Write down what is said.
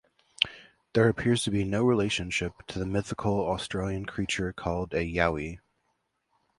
There appears to be no relationship to the mythical Australian creature called a Yowie.